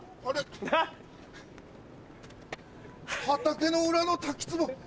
畑の裏の滝つぼ